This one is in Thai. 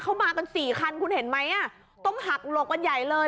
เขามากันสี่คันคุณเห็นไหมต้องหักหลบกันใหญ่เลย